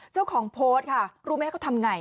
เจ้าของโพสต์ค่ะรู้ไหมเขาทำไง